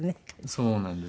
そうなんですよね。